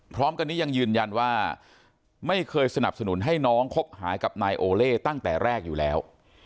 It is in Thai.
พร้อมกันนี้ยังยืนยันว่าไม่เคยสนับสนุนให้น้องคบหากับนายโอเล่ตั้งแต่แรกอยู่แล้ว